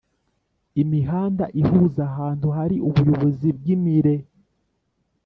Imihanda ihuza ahantu hari ubuyobozi bw imiren